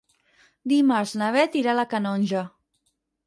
Dimarts na Beth irà a la Canonja.